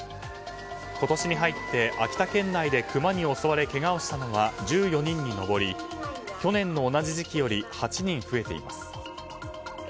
今年に入って秋田県内でクマに襲われ、けがをしたのは１４人に上り去年の同じ時期より８人増えています。